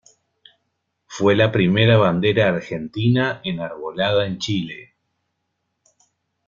Fue la primera bandera argentina enarbolada en Chile.